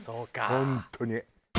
本当に。